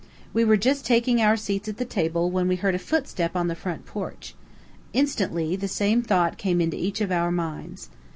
We were just taking our seats at the table when we heard a footstep on the front porch. Instantly the same thought came into each of our minds.